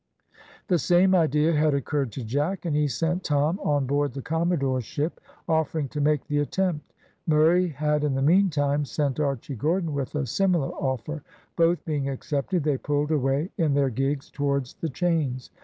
The same idea had occurred to Jack, and he sent Tom on board the commodore's ship, offering to make the attempt. Murray had, in the meantime, sent Archy Gordon with a similar offer. Both being accepted, they pulled away in their gigs towards the chains.